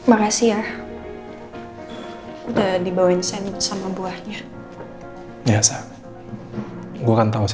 aku sudah panggil guarding ori